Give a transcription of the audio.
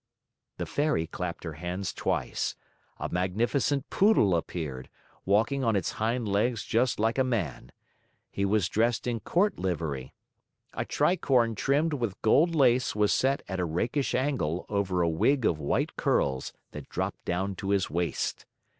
'" The Fairy clapped her hands twice. A magnificent Poodle appeared, walking on his hind legs just like a man. He was dressed in court livery. A tricorn trimmed with gold lace was set at a rakish angle over a wig of white curls that dropped down to his waist.